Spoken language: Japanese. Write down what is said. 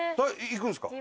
行くんですか？